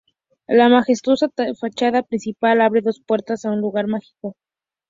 La majestuosa fachada principal nos abre las puertas a un lugar mágico.